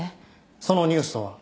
そのニュースとは？